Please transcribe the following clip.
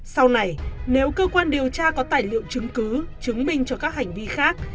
sau này nếu cơ quan điều tra có tài liệu chứng cứ chứng minh cho các hành vi khác